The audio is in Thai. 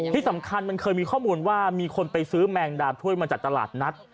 ที่สำคัญมันเคยมีข้อมูลว่ามีคนไปซื้อแมงดาถ้วยมาจากตลาดนัด